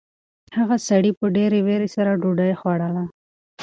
هغه سړي په ډېرې وېرې سره ډوډۍ خوړله.